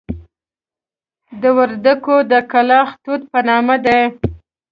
د وردکو د کلاخ توت په نامه دي.